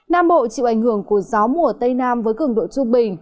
nam bộ chịu ảnh hưởng của gió mùa tây nam với cường độ trung bình